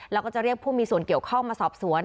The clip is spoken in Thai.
แล้วก็จะเรียกผู้มีส่วนเกี่ยวข้องมาสอบสวน